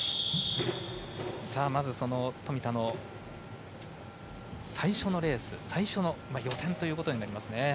まず、富田の最初のレース最初の予選となりますね。